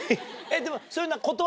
でもそういうのは。